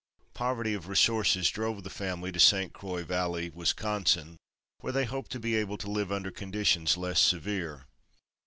Poverty of resources drove the family to St. Croix Valley, Wisconsin, where they hoped to be able to live under conditions less severe.